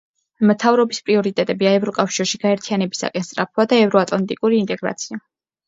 მთავრობის პრიორიტეტებია ევროკავშირში გაერთიანებისაკენ სწრაფვა და ევროატლანტიკური ინტეგრაცია.